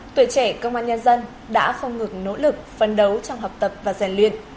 tuổi trẻ công an nhân dân đã phong ngược nỗ lực phấn đấu trong học tập và rèn luyện